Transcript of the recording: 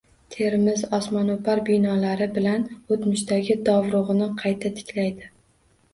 Termiz – osmono‘par binolari bilan o‘tmishdagi dovrug‘ini qayta tiklaydi